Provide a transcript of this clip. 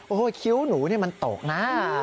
โอ้โหคิ้วหนูนี่มันตกนะ